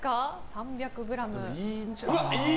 ３００ｇ。